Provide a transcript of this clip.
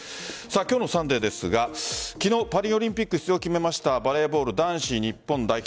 今日の「サンデー」ですが昨日パリオリンピック出場を決めたバレーボール男子日本代表